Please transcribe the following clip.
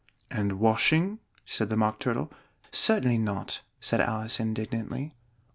"And washing?" said the Mock Turtle. "Certainly not!" said Alice indignantly.